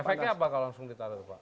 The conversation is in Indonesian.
efeknya apa kalau langsung ditaruh pak